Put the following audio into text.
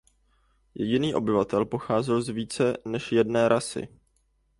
Jediný obyvatel pocházel z více než jedné rasy.